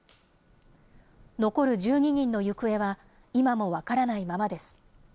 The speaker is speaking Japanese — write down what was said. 残る１２人の行方は今も分からないままです。